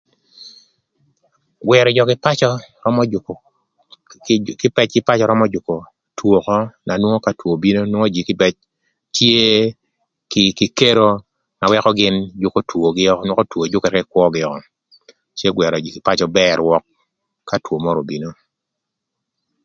Gwërö jö kï pacö römö jükö römö jükö two ökö na nwongo ka two obino, nwongo jïï kïbëc tye kï kero na wëkö gïn jükö twogï ökö, cë gwërö jïï kï pacö bër rwök ka two mörö obino.